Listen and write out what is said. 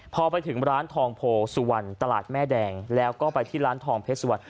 พอไปถึงร้านทองโพสุวรรณตลาดแม่แดงแล้วก็ไปที่ร้านทองเพชรสุวรรค